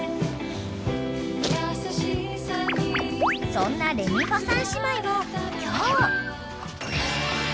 ［そんなレミファ３姉妹は今日］